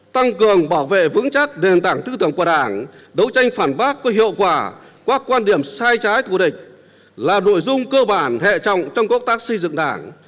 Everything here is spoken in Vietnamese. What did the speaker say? tăng cường bảo vệ vững chắc nền tảng tư tưởng của đảng đấu tranh phản bác có hiệu quả các quan điểm sai trái thù địch là nội dung cơ bản hệ trọng trong công tác xây dựng đảng